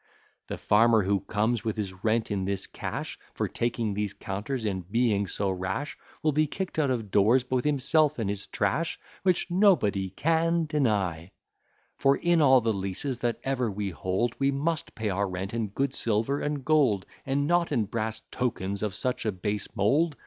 The farmer who comes with his rent in this cash, For taking these counters and being so rash, Will be kick'd out of doors, both himself and his trash. Which, &c. For, in all the leases that ever we hold, We must pay our rent in good silver and gold, And not in brass tokens of such a base mould.